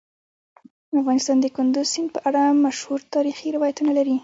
افغانستان د کندز سیند په اړه مشهور تاریخی روایتونه لري.